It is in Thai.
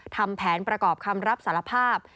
ทำแผนประกอบคำรับสารภาพ